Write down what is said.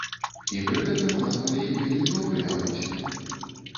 І пры гэтым у нас былі вельмі добрыя адносіны.